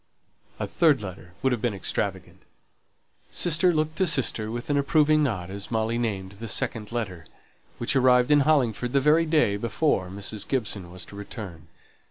A third letter would have been extravagant. Sister looked to sister with an approving nod as Molly named the second letter, which arrived in Hollingford the very day before Mrs. Gibson was to return.